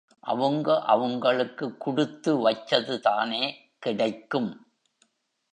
அவுங்க அவுங்களுக்குக் குடுத்து வச்சதுதானே கெடைக்கும்.